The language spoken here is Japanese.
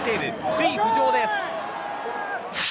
首位浮上です。